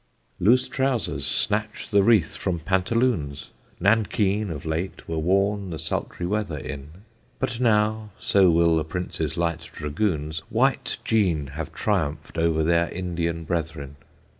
Loose trowsers snatch the wreath from pantaloons; Nankeen of late were worn the sultry weather in; But now, (so will the Prince's light dragoons,) White jean have triumph'd o'er their Indian brethren.